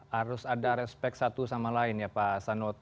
harus ada respect satu sama lain ya pak sanot